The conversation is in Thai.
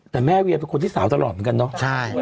แต่แม่เวียเป็นคนที่สาวตลอดเหมือนกันเนาะ